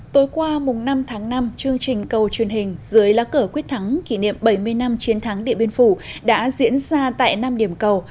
tối qua mùng năm tháng năm chương trình cầu truyền hình dưới lá cờ quyết thắng kỷ niệm bảy mươi năm chiến thắng địa biên phủ đã diễn ra tại năm điểm cầu